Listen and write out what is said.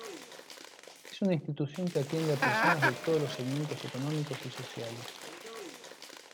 Es una institución que atiende a personas de todos los segmentos económicos y sociales.